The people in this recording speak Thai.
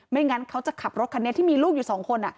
งั้นเขาจะขับรถคันนี้ที่มีลูกอยู่๒คน